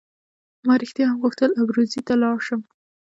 ما رښتیا هم غوښتل ابروزي ته ولاړ شم.